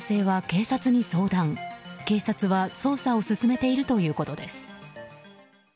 警察は捜査を進めているということです。